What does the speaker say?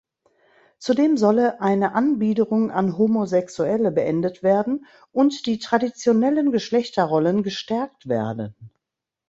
Zudem solle eine „Anbiederung an Homosexuelle“ beendet werden und die traditionellen Geschlechterrollen gestärkt werden.